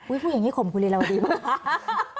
อุ๊ยพูดอย่างนี้ข่มคุณเรียนราวดีป่าว